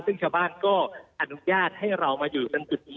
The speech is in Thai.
ซึ่งชาวบ้านก็อนุญาตให้เรามาอยู่ตรงจุดนี้